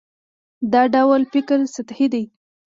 دا ډول فکر سطحي دی.